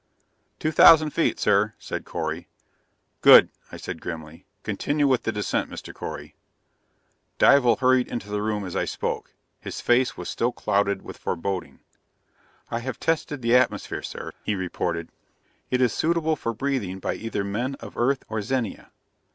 "Two thousand feet, sir," said Correy. "Good," I said grimly. "Continue with the descent, Mr. Correy." Dival hurried into the room as I spoke. His face was still clouded with foreboding. "I have tested the atmosphere, sir," he reported. "It is suitable for breathing by either men of Earth or Zenia.